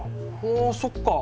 おそっか。